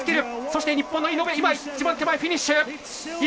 そして日本の井上一番手前、フィニッシュ！